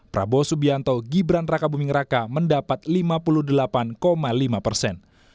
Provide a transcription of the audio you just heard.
prabowo subianto gibran raka buming raka mendapat lima puluh delapan lima persen